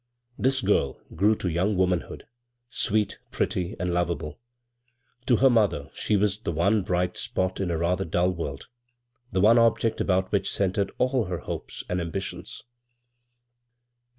" This girl grew to young womanhood, sweet, pretty, and lov able. To her mother she was the one bright spot in a rather dull world — the one object about which centred all her hopes, and am bitions.